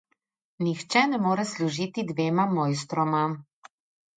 Nihče ne more služiti dvema mojstroma.